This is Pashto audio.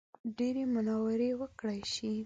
ډېرې مانورې وکړای شي.